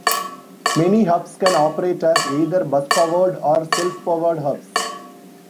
Many hubs can operate as either bus powered or self powered hubs.